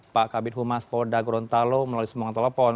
pak kabin humas polda gorontalo melalui semuanya telepon